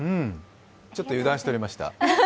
ちょっと油断しておりました。